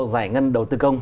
giải ngân đầu tư công